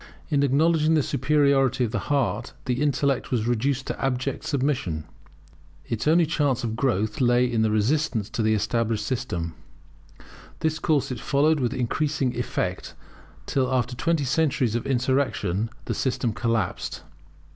In acknowledging the superiority of the heart the intellect was reduced to abject submission. Its only chance of growth lay in resistance to the established system. This course it followed with increasing effect, till after twenty centuries of insurrection, the system collapsed.